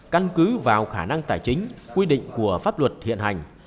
căn cứ vào khả năng tài chính quy định của pháp luật hiện hành